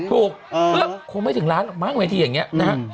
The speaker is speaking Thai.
ถูกเออเออคงไม่ถึงล้านมากมายทีอย่างเงี้ยอืมนะฮะ